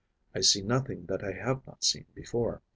I see nothing that I have not seen before.